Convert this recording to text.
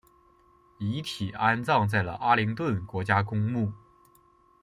遗体安葬在了阿灵顿国家公墓